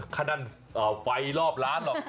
คันดั้นเอ่อไฟรอบร้านหรอก